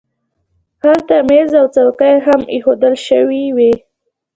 هلته مېز او څوکۍ هم اېښودل شوي وو